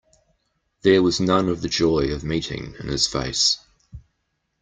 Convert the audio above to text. There was none of the joy of meeting in his face.